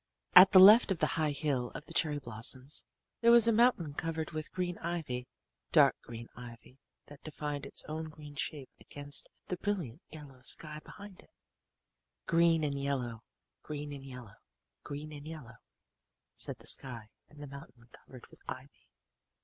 "At the left of the high hill of the cherry blossoms there was a mountain covered with green ivy dark green ivy that defined its own green shape against the brilliant yellow sky behind it. Green and yellow, green and yellow, green and yellow, said the sky and the mountain covered with ivy.